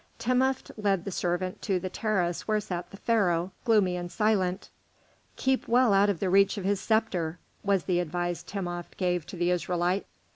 Timopht led the servant to the terrace where sat the Pharaoh, gloomy and silent. "Keep well out of the reach of his sceptre," was the advice Timopht gave to the Israelite.